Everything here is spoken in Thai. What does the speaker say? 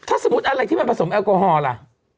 ถ้าสมมุติอะไรที่มันผสมแอลกอฮอล์ล่ะ